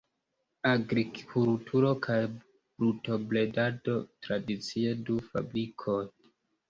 Agrikulturo kaj brutobredado tradicie, du fabrikoj.